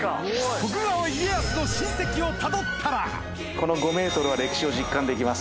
徳川家康の親戚をたどったらこの５ｍは歴史を実感できますね。